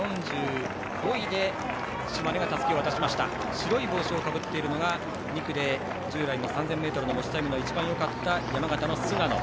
白い帽子をかぶっているのが２区で従来の３０００ｍの持ちタイムの一番よかった山形の菅野。